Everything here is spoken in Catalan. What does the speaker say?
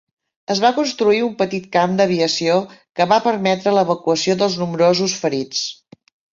Es va construir un petit camp d'aviació que va permetre l'evacuació dels nombrosos ferits.